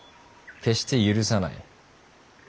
決して許さない。